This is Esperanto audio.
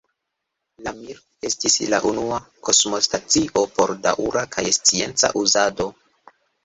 La Mir estis la unua kosmostacio por daŭra kaj scienca uzado.